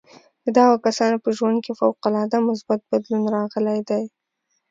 د دغو کسانو په ژوند کې فوق العاده مثبت بدلون راغلی دی